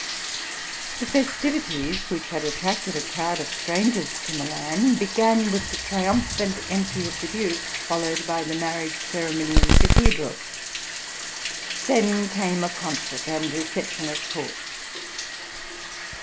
The festivities which had attracted a crowd of strangers to Milan began with the triumphant entry of the Duke, followed by the marriage ceremony in the cathedral; then came a concert and reception at court.